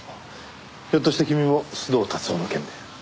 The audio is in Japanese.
ひょっとして君も須藤龍男の件で？